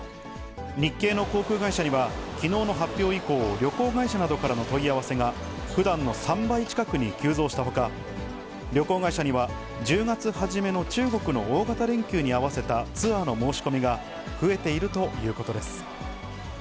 日系の航空会社には、きのうの発表以降、旅行会社などからの問い合わせが、ふだんの３倍近くに急増したほか、旅行会社には１０月初めの中国の大型連休に合わせたツアーの申し込みが増えているということです。